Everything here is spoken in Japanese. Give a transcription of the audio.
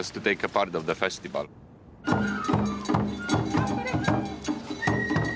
頑張れ。